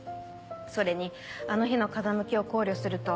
それにあの日の風向きを考慮すると。